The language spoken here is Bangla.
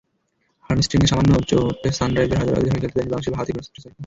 হ্যামস্ট্রিংয়ের সামান্য চোট সানরাইজার্স হায়দরাবাদের হয়ে খেলতে দেয়নি বাংলাদেশের বাঁহাতি পেসারকে।